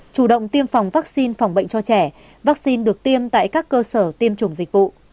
chủ động tiêm phòng vaccine phòng bệnh cho trẻ vaccine được tiêm tại các cơ sở tiêm chủng dịch vụ